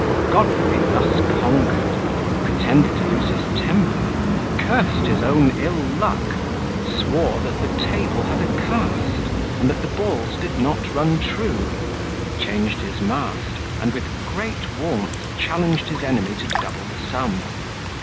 Godfrey thus conquered, pretended to lose his temper, cursed his own ill luck, swore that the table had a cast, and that the balls did not run true, changed his mast, and with great warmth, challenged his enemy to double the sum.